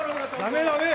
ダメダメ！